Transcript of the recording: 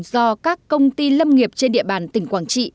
do các công ty lâm nghiệp trên địa bàn tỉnh quảng trị